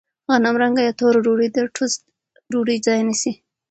غنمرنګه یا توره ډوډۍ د ټوسټ ډوډۍ ځای نیسي.